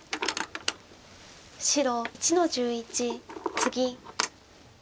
白１の十一ツギ。